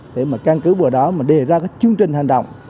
để mà căn cứ vừa đó mà đề ra chương trình hành động